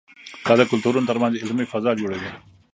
دا د کلتورونو ترمنځ علمي فضا جوړوي.